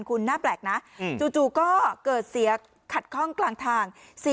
คุณน่าแปลกนะจู่ก็เกิดเสียขัดข้องกลางทาง